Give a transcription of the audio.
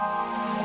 gue sama bapaknya